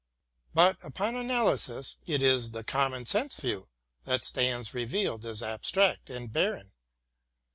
But, upon analysis, it is the common sense view that stands revealed as abstract and barren.